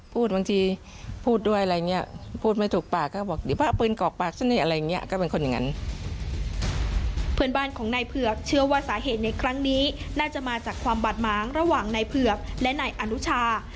เพื่อนบ้านของนายเผือกเชื่อว่าสาเหตุในครั้งนี้น่าจะมาจากความบาดหมางระหว่างนายเผือกและนายอนุชา